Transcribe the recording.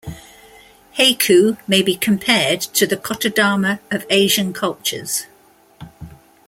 Heku may be compared to the Kotodama of Asian cultures.